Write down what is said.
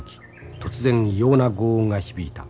突然異様な轟音が響いた。